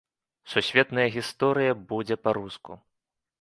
Сусветная гісторыя будзе па-руску.